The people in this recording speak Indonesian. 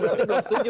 berarti belum setuju